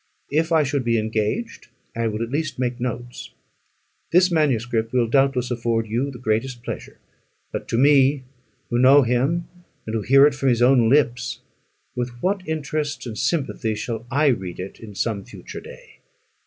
If I should be engaged, I will at least make notes. This manuscript will doubtless afford you the greatest pleasure: but to me, who know him, and who hear it from his own lips, with what interest and sympathy shall I read it in some future day!